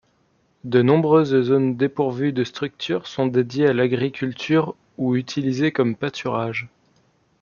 De nombreuses zones dépourvues de structures sont dédiées à l'agriculture ou utilisées comme pâturages.